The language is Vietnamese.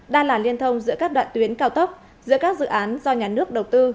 đa là liên thông giữa các đoạn tuyến cao tốc giữa các dự án do nhà nước đầu tư